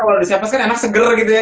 kalau di siapas kan enak seger gitu ya